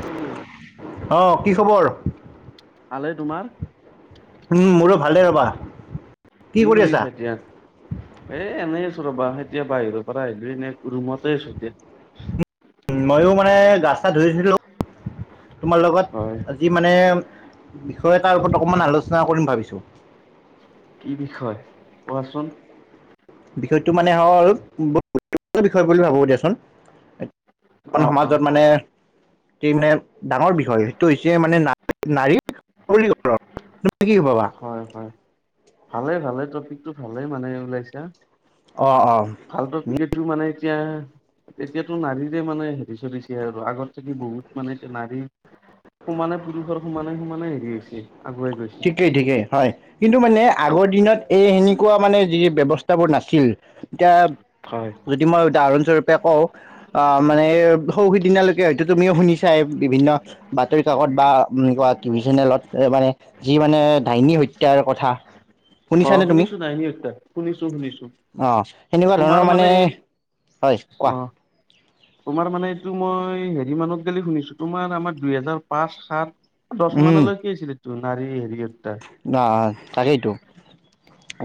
শুলো [inaudible] অঁ কি খবৰ। তোমাৰ উম মোৰো ভালেই ৰ'বা [inaudible] কি কৰি আছা এতিয়া? এ এনেই আছো ৰবা এতিয়া বাহিৰৰ পৰা আহিলো এনে ৰুমতে আছো এতিয়া [inaudible] ময়ো মানে গা-চা ধুইছিলোঁ তোমাৰ লগত হয় আজি মানে বিষয় এটাৰ ওপৰত অকমান আলোচনা কৰিম ভাবিছো। কি বিষয় কোৱাচোন? বিষয়টো মানে হল, বহুত গুৰুত্বপূৰ্ণ বিষয় বুলি ভাবো দিয়াচোন। এইখন অ অ সমাজত মানে এই মানে ডাঙৰ বিষয় সেইটো হৈছে মানে না-নাৰীৰ সবলীকৰণ। তুমি কি ভাবা? হয়। ভালে ভালে টপিকটো ভালে মানে ওলাইছা। অঁ অঁ [unintelligible] ক্ৰিকেটটো মানে এতিয়া এতিয়াতো নাৰীৰে মানে হেৰি চলিছে আৰু। আগত থাকি বহুত মানে এতিয়া নাৰী সমানে পুৰুষৰ সমানে সমানে হেৰি হৈছে। আগুৱাই গৈছে ঠিকেই ঠিকেই হয়, কিন্তু মানে আগৰ দিনত এই সেনেকুৱা মানে যি ব্যৱস্থাবোৰ নাছিল। এতিয়া হয় যদি মই উদাহৰণস্বৰূপে কওঁ। অ' মানে সৌ সিদিনালৈকে হয়তো তুমিও শুনিছাই, বিভিন্ন বাতৰি-কাকত বা এনেকুৱা। টিভি চেনেলত মানে যি মানে ডাইনী হত্যাৰ কথা। শুনিছানে অ' তুমি শুনিছো ডাইনী হত্যা, শুনিছো শুনিছো। অ সেনেকুৱা ধৰণৰ তোমাৰ মানে এই হয় কোৱা অহ। তোমাৰ মানে এইটো মই হেৰি মানত গেলি শুনিছোঁ তোমাৰ আমাৰ দুহেজাৰ পাঁচ সাত। দচ মানলৈকে কি আছিলে তোৰ নাৰী হেৰি। না তাকেই তো।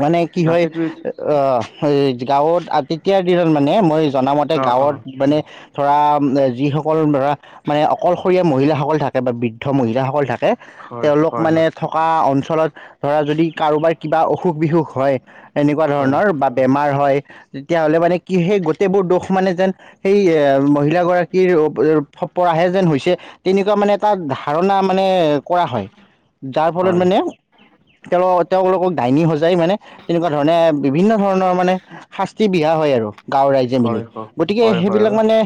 মানে কি হয় তাকেতো এইটো অহ এই গাঁৱত আ তেতিয়া দিনত মানে মই। জনা মতে অ অ গাঁৱত মানে ধৰা যিসকল ধৰা মানে অকলশৰীয়া মহিলাসক। সকল থাকে বা বৃদ্ধ মহিলাসকল থাকে হয় তেওঁলোক হয় মানে থকা। ফলত ধৰা যদি কাৰোবাৰ কিবা অসুখ বিসুখ হয়। এনেকুৱা হয় ধৰণৰ বা বেমাৰ হয় তেতিয়াহ'লে মানে কি সেই গোটেইবোৰ দোষ। মানে যেন সেই এ মহিলাগৰাকীৰ। অ পৰাহে যেন হৈছে তেনেকুৱা মানে তাত ধাৰণা মানে কৰা হয়। যাৰ ফলত হয় মানে। হয় তেওঁ লোক তেওঁলোকক ডাইনী সজাই মানে তেনেকুৱা ধৰণে বিভিন্ন ধৰণৰ মানে শাস্তি। বিহা হয় আৰু গাঁওৰ ৰাইজে মিলি হয় হয় গতিকে হয় হয় হয় সেইবিলাক মানে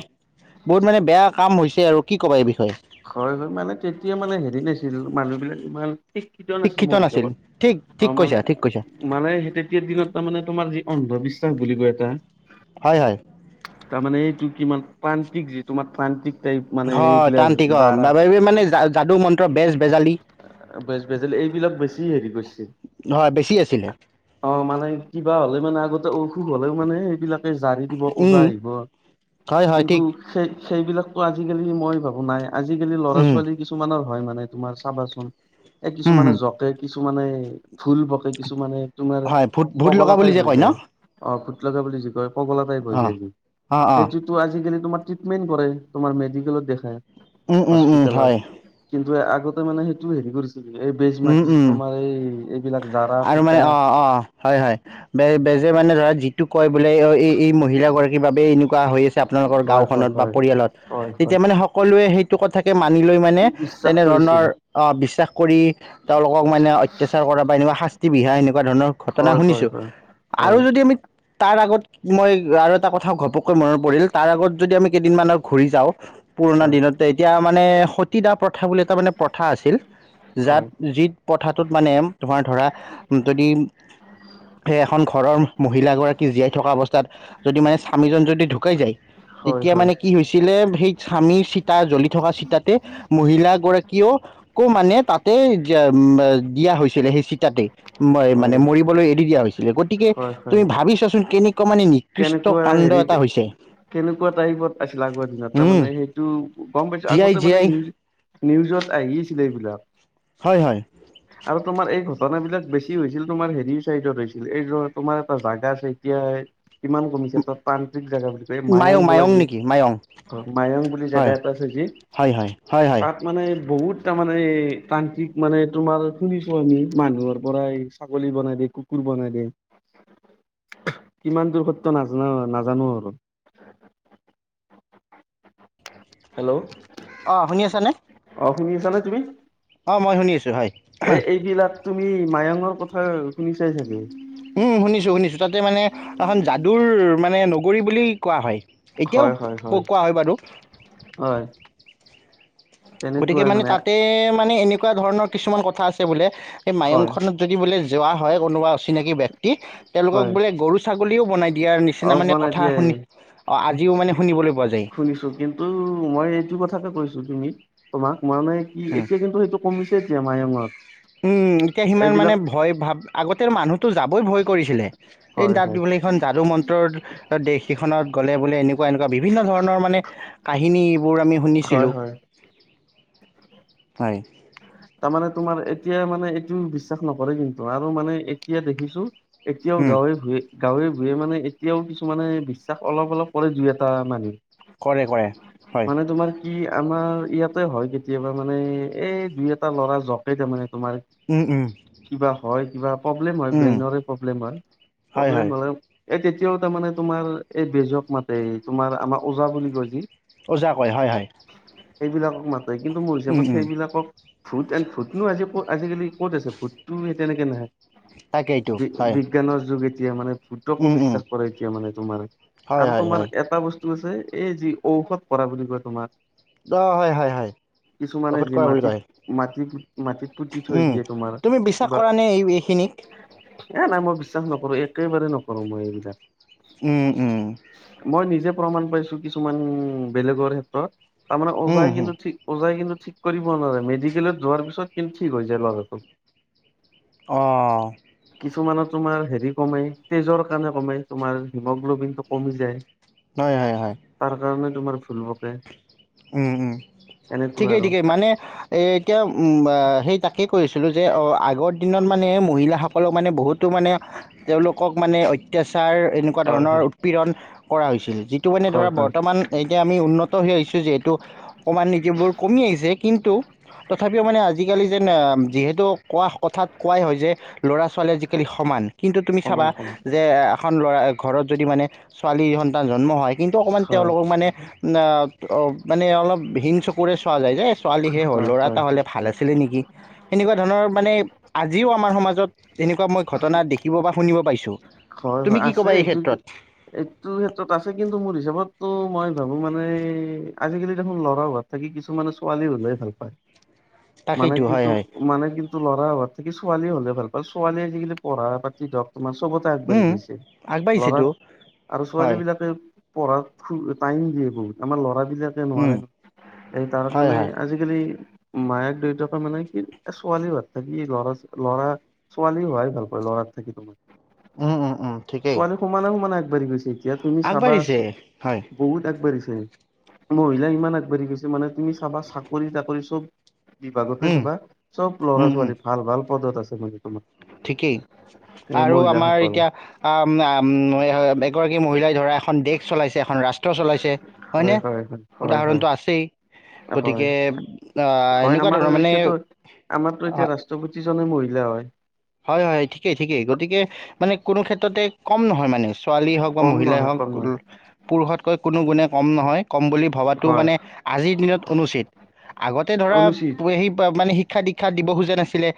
বহুত মানে বেয়া। কাম হৈছে আৰু কি ক'বা এই বিষয়ে হয় হয় মানে তেতিয়া মানে হেৰি নাছিল মানুহবিলাক ইমান। শিক্ষিত নাছিল মোৰ হিচাপত। ঠিক ঠিক অহ মানে কৈছা ঠিক কৈছা মানে তেতিয়া দিনত তাৰমানে তোমাৰ যি অন্ধবিশ্বাস বুলি কয় এটা। হয় হয়। তাৰমানে এইটো কিমান প্ৰান্তিক যি তোমাৰ প্ৰান্তিক। তেই মানে এই হয় গিলাক তান্ত্ৰিক অ জাৰা। মানে যাদু মন্ত্ৰ বেজ বেজালি বেজ বেজাল এইবিলাক বেছি হেৰি কৰিছে। হয় বেছি আছিলে। অহ মানুহে কিবা হলে মানে। আগতে অসুখ হ'লেও মানে সেইবিলাকে জাৰি দিব ওজা উম আহিব হয় হয় কিন্তু ঠিক সেই সেইবিলাক ত আজিকালি মই ভাবো নাই আজিকালি ল'ৰা উম ছোৱালী কিছুমানৰ হয় মানে তোমাৰ চাবাচোন এ হুম কিছুমানে হুম জকে কিছুমানে ভুল বকে কিছুমানে তোমাৰ হয় ভূত ভূত লগা পগলা বুলি টাইপ যে হৈ কয় ন যায় অ ভুট লগা বুলি যি কয় পগলা টাইপ হৈ অঁ যায়গি অঁ সেইটোতো আজিকালি তোমাৰ ট্ৰিটমেণ্ট কৰে তোমাৰ মেডিকেলত দেখা উম উম উম হয় টোৱে আগতে মানে সেইটো হেৰি কৰিছ এই বেজ উম মাতিছিল উম তোমাৰ এই এইবিলাক জাৰা আৰু মানে ফোকা যে মানে ধৰা যিটো কয় বোলে এই এই মহিলাগৰাকীৰ বাবেই এনেকুৱা হৈ আছে আপোনালোকৰ হয় হয় গাঁওখনত বা হয় পৰিয়ালত হয় হয় তেতিয়া মানে সকলোৱে সেইটো কথাকে মানি লৈ মানে বিশ্বাস কৰিছিল তেনেধৰণৰ অ বিশ্বাস কৰি তেওঁলোকক মানে অত্যাচাৰ কৰা বা এনেকুৱা শাস্তি বিহা এনেকুৱা ধৰণৰ ঘটনা হয় হয় শুনিছো হয় আৰু হয় যদি আমি তাৰ আগত মই আৰু এটা কথা ঘপকৈ মনত পৰিল তাৰ আগত যদি আমি কেইদিনমানৰ ঘূৰি যাওঁ পুৰণা হয় দিনত এতিয়া মানে সতীদা প্ৰথা বুলি এটা মানে প্ৰথা আছিল হয়। মান ধ য সেই এখন ঘৰৰ মহিলাাগৰাকী জীয়াই থকা অৱস্থাত যদি মানে স্বামীজন যদি ঢুকাই যায় হয় তেতিয়া হয় মানে কি হৈছিলে সেই স্বামীৰ চিতা জ্বলি থকা চিতাতে মহিলা গৰাকীয়েওকো মানে তাতে দিয়া হৈছিলে সেই চিতাতে ম মানে হয় মৰিবলৈ এৰি দিয়া হৈছিলে গতিকে হয় হয় তুমি ভাবিছাচোন কেনেকুৱা মানে নিকৃষ্ট কেনেকুৱা কণ ন্দ হেৰিত এটা হৈছে। কেনেকুৱা টাইপত আছিল আগৰ দিনত তাৰ উম মানে সেইটো গম পাইছো জীয়াই আগতে মানে জীয়াই নিজ নিউজত আহিছিলে এইবিলাক হয় হয় আৰু তোমাৰ এই ঘটনাবলাক বেছি হৈছিল তোমাৰ হেৰি চাইডত হৈছিল এই তোমাৰ এটা জাগগা আছে এতিয়া কিমান কমিছে তাত তান্ত্ৰিক জোগা বুলি কয় মায়ং মায়াং বলা মায়ং যি নেকি মায়ং অ' মায়ং বুলি হয় জেগা এটা আছে যি হয় হয় হয় হয় তাত মানে বহুত এটা মানে তান্ত্ৰিক মানে তোমাৰ শুনিছো আমি মানুহৰ পৰাই ছাগলী বনাই দিয় কুকুৰ বনাই দে কিমান দূৰ সত নাজান নাজানো আৰু হেল্ল' অঁ শুনি আছানে অ শুনি আছা নে তুমি অ' মই শুনি আছোঁ হয় এ এইবিলাক তুমি মায়ঙৰ কথা শুনি চাই চাগে উম শুনিছো শুনিছো তাতে মানে এখন যাদুৰ মানে নগৰী বুলি কোৱা হয় হয় হয় এতিয়াও কোৱা হয় বাৰু। হয় গতিকে মানে তাতে মানে এনেকুৱা ধৰণৰ কিছুমান কথা আছে বোলে। এই হয় মায়ংখনত যদি বোলে যোৱা হয় কোনোবা অচিনাকি ব্যক্তি তেওঁলোকক হয় বোলে গৰু ছাগলীও বনাই দিয়াৰ নিচিনা মানে কথা শুনি অঁ আজিও শুনিছোঁ, মানে শুনিবলৈ পোৱা যায় শুনিছোঁ কিন্তু মই এইটো কথাকে কৈছো। তুমি তোমাক মানে কি উম এতিয়া কিন্তু সেইটো কমিছে এতিয়া মায়ঙত উম, এতিয়া সিমান মানে এইবিলাক ভয় ভাব আগতে মানুহটো যাবই ভয় কৰিছিলে এই হয় তাত হয় বোলে এইখন যাদু মন্ত্ৰৰ দেশ এখনত গ'লে বোলে এনেকুৱা এনেকুৱা নেকুৱা বিভিন্ন ধৰণৰ মানে কাহিনীবোৰ আমি হয় শুনিছিলোঁ। হয় হয়। তাৰমানে তোমাৰ এতিয়া মানে এইটো বিশ্বাস নকৰে কিন্তু আৰু মানে এতিয়া দেখিছোঁ। এতিয়াও উম, গাঁৱে ভূঞে গাঁৱে ভূঞে মানে এতিয়াও কিছুমানে বিশ্বাস অলপ অলপ কৰে দুই এটা মানুহ। কৰে, কৰে, হয়। ই আমাৰ ইয়াতে হয় কেতিয়াবা মানে এই দুই এটা ল'ৰা জতে তাৰমানে। তোমাৰ উম, উম, কিবা হয় কিবা প্ৰব্লেম হয়, উম, ব্ৰেইনৰে প্ৰব্লেম হয়, হয় হয় প্ৰব্লেম হ'লে এই তেতিয়াও তাৰমানে তোমাৰ এই বেজক মাতে তোমাৰ আমাৰ ওজা বুলি কয় যি। ওজা কয় হয়, হয়। সেইবিলাকক মাতে কিন্তু মোৰ উম, হিচাপত উম, সেইবিলাকক ভূত এন ভূতনো আজি ক'ত আজিকালি ক'ত আছে ভূতটো সেই তেনেকে নাই। তাকেইটো হয়। বি-বিজ্ঞানৰ যোগেদি এতিয়া মানে ভূতকো উম, উম, বিশ্বাস কৰে এতিয়া মানে তোমাৰ হয় আৰু হয় তোমাৰ হয় এটা বস্তু আছে। এই যি ঔষধ কৰা বুলি কয় তোমাৰ। অ', হয়, হয়, হয়। কিছুমানে ঔষোধ যি কৰা বুলি মাটিত কয় মাটি মাটিত পুতি থৈ উম দিয়ে তোমাৰ তুমি বিশ্বাস কিবা কৰা নে এই এইখিনিক। উ এ নাই মই বিশ্বাস নকৰো একেবাৰে নকৰো মই এইবিলাক। উম উম। মই নিজে প্ৰমাণ পাইছো কিছুমান বেলেগৰ ক্ষেত্ৰত তাৰমানে উম, অজাই উম, কিন্তু ঠিক অজাই কিন্তু ঠিক কৰিব নোৱাৰে মেডিকেলত যোৱাৰ পিছত কিন্তু ঠিক হৈ যায় ল'ৰা। অ'। কিছুমানৰ তোমাৰ হেৰি কমে তেজৰ কাৰণে কমে তোমাৰ হিমোগ্ল'বিনটো কমি যায় হয় হয় হয়। তাৰ কাৰণে তোমাৰ ফুলবকে উম উম ঠিকেই আৰু ঠিকেই মানে এ এতিয়া উ আ সেই তাকেই কৈছিলো যে আগৰ দিনত মানে মহিলা সকলক মানে বহুতো মানে তেওঁলোকক মানে অত্যাচা তাৰ এনেকুৱা হয় ধৰণৰ হয় উৎপীড়ন কৰা হৈছিল যিটো মানে হয় ধৰা হয় বৰ্তমান এতিয়া আমি উন্নত হৈ আহিছোঁ যে টো অকণমান নিতিবোৰ কমি আহিছে কিন্তু তথাপিও মানে আজিকালি যেন যিহেতু কোৱা কথাত কোৱাই হয় যে ল'ৰা ছোৱালী আজিকালি সমান কিন্তু তুমি চাবা সমান সমান যে খ ল'ৰা ঘৰত যদি মানে ছোৱালী সন্তান জন্ম হয় কিন্তু অকণমান হয় তেওঁলোকক মানে আ অ মানে অলপ হিং চকুৰে চোৱা যায় যে। ছোৱালী হে হ'ল হয় ল'ৰা এটা হয় হ'লে হয় ভাল আছিলে নেকি সেনেকুৱা ধৰণৰ মানে আজিও আমাৰ সমাজত এনেকুৱা মই ঘটনা দেখিব বা শুনিব পাইছোঁ। হয় তুমি হয় কি আছে ক'বা এই এইটো ক্ষেত্ৰত এইটো ক্ষেত্ৰত আছে কিন্তু মোৰ হিচাপত মই ভাবো মানে আজিকালি দেখোন ল'ৰা হোৱাত থাকি কিছুমানে ছোৱালী হ'লে ভাল পায়। মনে তাকেইতো কিন্ত হয় হয় মানে ল'ৰা হোৱাতকে ছোৱালী হ'লে ভাল পাল ছোৱালী আজিকালি পঢ়া পাতি ধৰক তোমাৰ চবতে আ ঢ় উম, গৈছে ল'ৰা আগবাঢ়িছেতো আৰু ছোৱালী হয় বিলাকে পঢ়াত ফুল টাইম দিয়ে বহুত আমাৰ ল'ৰা এই বিলাকে উম, নোৱাৰে এই তাৰ হয় কাৰণে হয় আজিকালি মায়াক দেউতাকে মানে কি ছোৱালী হোৱাত থাকি ল'ৰা ল'ৰা ছোৱালী হোৱাই ভাল পায় ল'ৰা। থাকে তোমাৰ। উম, উম, উম, ঠিকেই ছোৱালী সমানে সমানে আগবাঢ়ি গৈছে এতিয়া তুমি চাবা আগবাঢ়িছে হয় বহুত আগবাঢ়ি ছে মহিলাই ইমান আগবাঢ়ি গৈছে মানে তুমি চাবা চাকৰি তাকৰি চব। বিভাগতে উম, চাবা চব ল'ৰা উম, উম, ছোৱালী ভাল ভাল পদত আছে মানে তোমাৰ। ঠিকেই এই আৰু আমাৰ মহিলাসকল এতিয়া আ উম এগৰাকী মহিলাই ধৰা এখন দেশ চলাইছে এখন ৰাষ্ট্ৰ চলাইছে হয় নে হয় হয় উদাহৰ হয় কাৰণটো আছেই হয় গতিকে আ হয় এনেকুৱা আমাৰ ধৰণৰ মানে জনে মহিলা হয় হয় হয় ঠিকেই ঠিকেই গতিকে মানে কোনো ক্ষেত্ৰতে কম নহয় মানে। ছোৱালী হওক বা কম মহিলাই নহয় হওক কম নহয় পুৰুষতকৈ কোনো গুণে কম নহয় কম বুলি ভবাতো হয় মানে আজিৰ দিনত অনুচিত আগতে ধৰা অনুচিত সেই মানে শিক্ষা দীক্ষা দিব খোজা নাছিলে।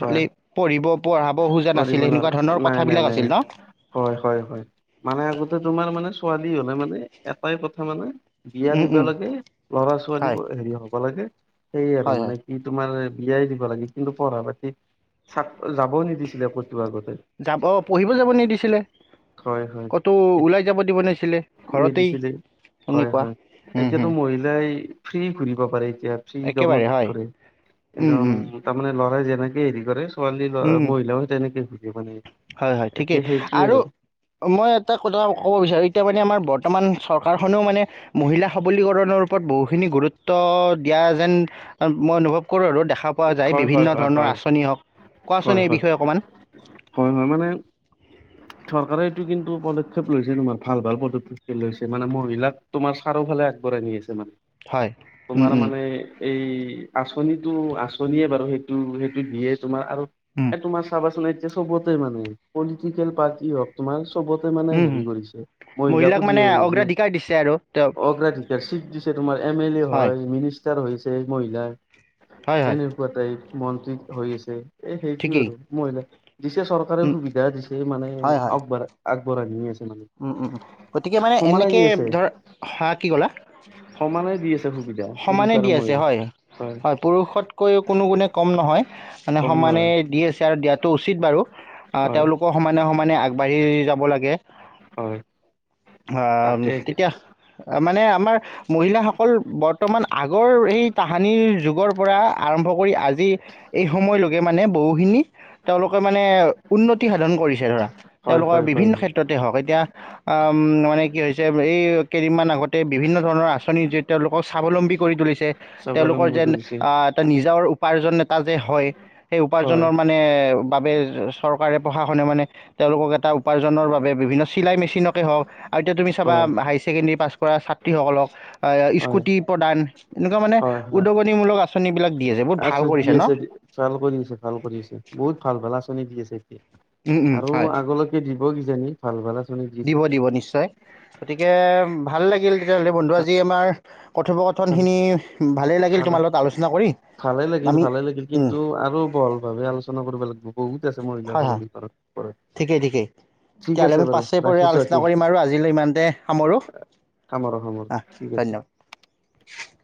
হয় পঢ়িব পঢ়াব খোজা কৰিব নাছিলে নোৱাৰা সেনেকুৱা ধৰণৰ নাই নাই কথাবলাক নাই আছিল ন হয় হয় হয় মানে আগতে তোমাৰ মানে ছোৱা হলে মানে এটাই কথা মানে বিয়া উম দিবা উম লাগে ল'ৰা ছোৱালী হয় হেৰি হ'ব লাগে। সেইয় আৰু হয় মানে হয় কি তোমাৰ বিয়াই দিব লাগে কিন্তু পঢ়া পাতি চা যা বও নিদিছিলে আগতে যাব পঢ়িব যাব নিদিছিলে। হয় হয় ক'তো ওলাই যাব দিব নোৱাৰছিলে ঘৰতেই নিদিছিলে হয় সেনেকুৱা হয় এতিয়াতো মহিলাই ফ্ৰী ঘূৰিব পাৰে এতিয়া ফ্ৰী একেবাৰে হয় দমত ঘূৰে উম, উম, কিন্ত তামানে যেনেকে হেৰি কৰে ছোৱালী উম, ল'ৰা উম, মহিলাও তেনেকে সুধে মানে এতিয়া সেইটোৱে আৰু। অ', মই এটা কথা ক'ব বিচাৰো এতিয়া মানে আমাৰ বত বৰ্তমান চৰকাৰখনেও মানে মহিলা সবলীকৰণৰ ওপৰত বহুখিনি গুৰুত্ব দিয়া যেন মই অনুভৱ কৰোঁ আৰু দেখা পোৱা যায় হয় হয় বিভিন্ন হয় ধৰণৰ হয় আঁচনি হওক কোৱাচোন হয় এই হয় বিষয়ে অকণমান হয় মানে চৰকাৰে এইটো কিন্তু পদক্ষেপ লৈছে তোমাৰ ভাল ভাল পদক্ষেপ লৈছে মানে মহিলাক তোমাৰ ছাৰো ফালে আগবঢ়াই নি আছে মানে হয় উম, তোমাৰ উম, মানে এই আঁচনিটো আচ আচনিয়ে বাৰু সেইটো সেইটো দিয়ে তোমাৰ আৰু উম, এ তোমাৰ চাবাচোন চবতে মানে পলিটিকেল পাৰ্টি হওক তোমাৰ চবতে মানে উম, হেৰি উম, কৰিছে মহিলাক মানে মহিলো অগ্ৰাধিকাৰ দিছে আৰু তেওঁ অগ্ৰাধিকাৰ তোমাৰ এম এল এ হয় মিনিষ্টাৰ হৈছে মহিলাৰ হয়, হয়, তেনেকুৱা টাইপ মন্ত্ৰী হৈ আছে এ সেইটো ঠিকেই আৰু মহিলাক দিছে চৰকাৰে উম, সুবিধা দিছে মানে হয়, হয়, আগবঢ় আগবঢ়াই নিয় আছে মানে উম উম গতিকে মানে সমানে এনেকে দি আছে ধৰ হা কি কলা সমানে দি আছে সুবিধা সমানে পুৰুষ আৰু দি আছে মহিলা হয় হয় পুৰুষত [unintelligible] কম নহয় হয় সমানে সমানে আগবাঢ়ি যাব লাগে [inaudible] হয় অ তাকে তেতিয়া মানে আমাৰ মহিলাসকল বৰ বৰ্তমান আগৰ সেই কাহানীৰ যুগৰ পৰা আৰম্ভ কৰি আজি এই সময়লৈকে মানে বহুখিনি তেওঁলোকে মানে উন্নতি সাধন কৰিছে ধৰা হয় তেওঁলোকৰ হয় হয় বিভিন্ন হয় ক্ষেত্ৰতে হওঁক এতিয়া অ মানে কি হৈছে এই কেইদিনমান আগতে বিভিন্ন ধৰণৰ আঁচনি যোৰিত তেওঁলোকৰ স্বাৱলম্বী কৰি তুলিছে তেওঁলোকৰ স্বাৱলম্বী যেন কৰিছে এটা নিজৰ উপাৰ্জন এটা টা যে হয় সেই হয় উপাৰ্জনৰ মানে বাবে চৰকাৰে প্ৰশাসনে মানে তেওঁলোকক এটা উপাৰ্জনৰ বাবে বিভিন্ন চিলাই মেচিনকে হওক আৰু এতিয়া তুমি চাবা হয় হাই ছেকেণ্ডৰী পাছ কৰা ছাত্ৰীসকলক হয় স্কুটি প্ৰদান এনেকুৱা মানে উদগনি মূলক আঁচন বিলাক আছ দি আছে ভাল কৰি আছে ভাল কৰি আছে বহুত ভাল ভাল আঁচনি দি আছে এতিয়া উম উম আৰু হয় আগলৈকে দিব কিজানি ভাল ভাল আ দিব দিব নিশ্চয় গতিকে ভাল লাগিল তেতিয়াহ'লে বন্ধু আজি আমাৰ ভাল কথোপকথনখিনি ভালেই লাগিল ভাল তোমাৰ লগত আলোচনা কৰি ভালে লাগিল আমি ভালে লাগিল উম, কিন্তু আৰু বহল ভাৱে আলোচনা কৰিব লাগিব বহুত আছে মহিলাক হয় হয় সাবলিকৰণ [inaudible] ঠিকেই ঠিকেই তেতিয়াহ'লে আমি পাঁচৰে প আলোচনা কৰিম আৰু আজিলৈ ইমানতে সামৰো সামৰো সামৰো ঠিক আছে [inaudible] [unintelligible]